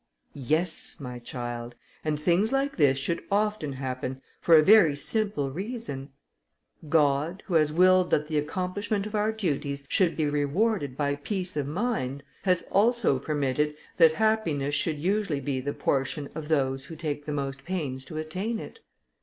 "Yes, my child; and things like this should often happen, for a very simple reason. God, who has willed that the accomplishment of our duties should be rewarded by peace of mind, has also permitted that happiness should usually be the portion of those who take the most pains to attain it.